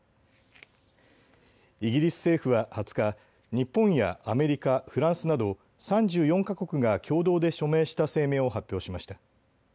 イギリス政府は２０日、日本やアメリカ、フランスなど３４か国が共同で署名した声明を発表しました。